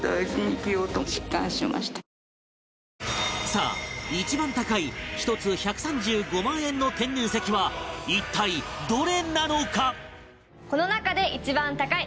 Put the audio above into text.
さあ一番高い１つ１３５万円の天然石は一体どれなのか？